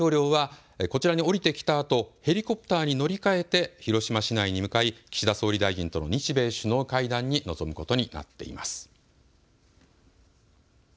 またバイデン大統領はこちらに降りてきたあとヘリコプターに乗り換えて広島市内に向かい岸田総理大臣との日米首脳会談に臨むことになっています。